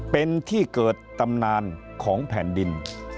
เป็นที่เกิดตำนานของแผ่นดิน